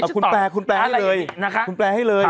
คุณแปรให้เลย